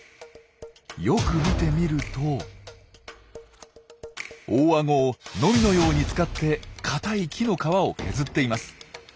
よく見てみると大あごをノミのように使って硬い木の皮を削っています。